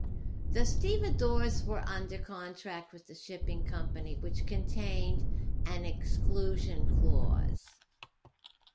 The stevedores were under contract with the shipping company which contained an exclusion clause.